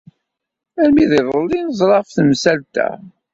Armi d iḍelli ay neẓra ɣef temsalt-a.